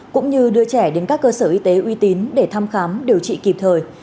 cũng như đưa trẻ đến các cơ sở y tế uy tín để thăm khám điều trị kịp thời